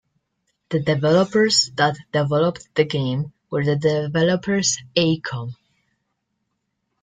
The developers that developed the game were the developers Aicom.